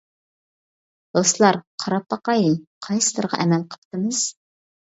دوستلار قاراپ باقايلى قايسىلىرىغا ئەمەل قىپتىمىز.